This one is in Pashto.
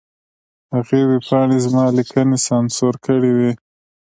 هغې ویبپاڼې زما لیکنې سانسور کړې وې.